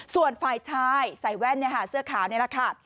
ส่วนฝ่ายชายใส่แว่นเสื้อขาวนี่แหละค่ะ